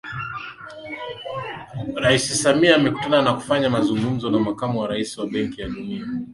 Rais Samia amekutana na kufanya mazungumzo na Makamu wa Rais wa Benki ya Dunia